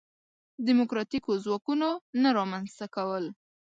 دیموکراتیکو ځواکونو نه رامنځته کول.